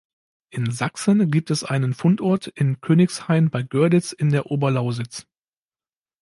In Sachsen gibt es einen Fundort, in Königshain bei Görlitz in der Oberlausitz.